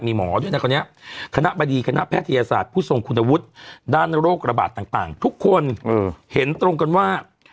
มีหมอด้วยนะตอนนี้คณะบดีคณะแพทยศาสตร์ผู้ทรงคุณวุฒิด้านโรคระบาดต่างทุกคนเห็นตรงกันว่า